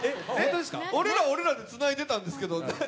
俺らはつないでたんですけど。